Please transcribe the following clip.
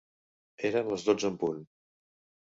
Eren les dotze en punt.